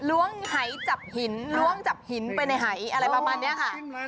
ล้วงหายจับหินล้วงจับหินไปในหายอะไรประมาณนี้ค่ะ